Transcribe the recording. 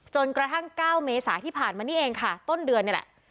จนกระทั่ง๙เมษาที่ผ่านมานี่เองค่ะต้นเดือนนี่แหละ